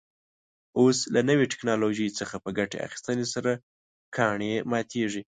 اوس له نوې تکنالوژۍ څخه په ګټې اخیستنې سره کاڼي ماتېږي.